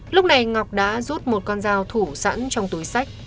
lúc này ngọc đã rút một con dao thủ sẵn trong túi sách